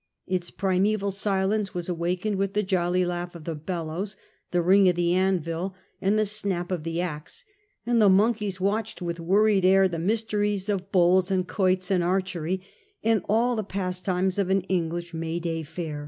Its primeval silence was awakened with the jolly laugh of the bellows, the ring of the anvil, and the snap of the axe, and the monkeys watched with worried air the mysteries of bowls and quoits and archery, and all the pastimes of an English May day fair.